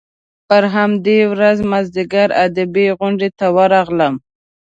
په همدې ورځ مازیګر ادبي غونډې ته ورغلم.